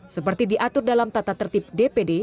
seperti diatur dalam tata tertib dpd